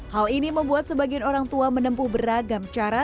hal ini membuat sebagian orang tua menempuh beragam cara